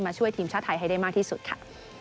ช่วยทีมชาติไทยให้ได้มากที่สุดค่ะ